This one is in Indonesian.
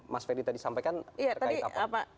mas ferry tadi sampaikan terkait apa